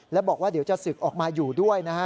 แล้วบอกว่าเดี๋ยวจะศึกออกมาอยู่ด้วยนะฮะ